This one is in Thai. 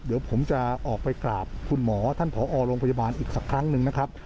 เดี๋ยวผมจะออกไปกราบคุณหมอท่านผอโรงพยาบาลอีกสักครั้งหนึ่งนะครับ